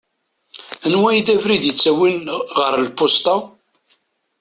Anwa i d abrid ittawin ɣer lpusṭa?